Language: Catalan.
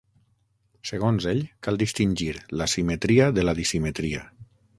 Segons ell, cal distingir l'asimetria de la dissimetria.